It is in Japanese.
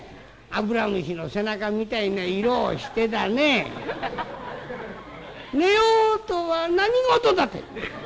油虫の背中みたいな色をしてだね『寝よう』とは何事だってえ。